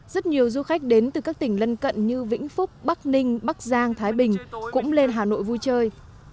rất nhiều du khách đến từ các tỉnh lân cận như vĩnh phúc bắc ninh bắc giang thái bình cũng lên hà nội vui chơi